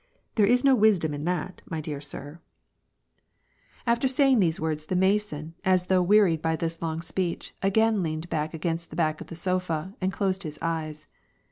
There is no wisdom in that, my dear sir !"^ 74 WAR AND PEACE. After saying these words, the Mason, as though wearied by this long speech, again leaned against the back of the sofa, and closed his eyes.